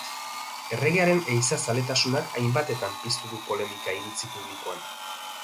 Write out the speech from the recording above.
Erregearen ehiza zaletasunak hainbatetan piztu du polemika iritzi publikoan.